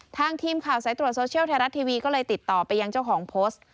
ทางทีมข่าวสายตรวจโซเชียลไทยรัฐทีวีก็เลยติดต่อไปยังเจ้าของโพสต์